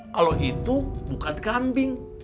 kalo itu bukan kambing